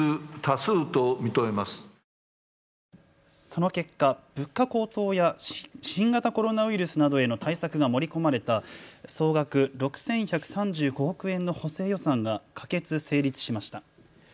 その結果、物価高騰や新型コロナウイルスなどへの対策が盛り込まれた総額６１３５億円の補正予算が可決・成立しました。